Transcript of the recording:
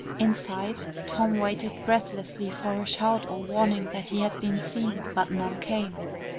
Inside, Tom waited breathlessly for a shout or warning that he had been seen, but none came.